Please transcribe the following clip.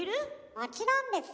もちろんですよ。